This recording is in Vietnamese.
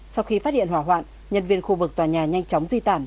sau khi phát hiện hỏa hoạn nhân viên khu vực tòa nhà nhanh chóng di tản